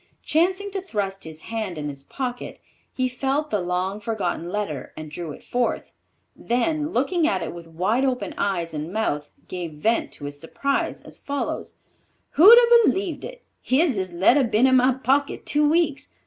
Chancing to thrust his hand in his pocket, he felt the long forgotten letter and drew it forth, then looking at it with wide open eyes and mouth, gave vent to his surprise as follows: "Who'd a b'leved it! Here's this letter been in my pocket two weeks.